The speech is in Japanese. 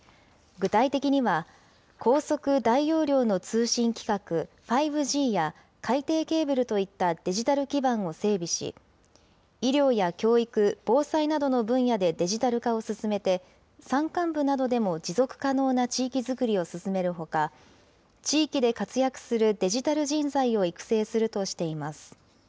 具体的には、高速・大容量の通信規格５Ｇや、海底ケーブルといったデジタル基盤を整備し、医療や教育、防災などの分野でデジタル化を進めて、山間部などでも持続可能な地域づくりを進めるほか、地域で活躍するデジタル人材を育成するとしています。